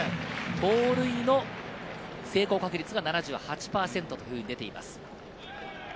盗塁の成功確率が７８％と出ています。